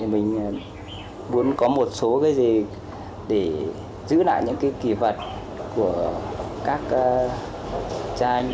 mình muốn có một số cái gì để giữ lại những kỷ vật của các cha anh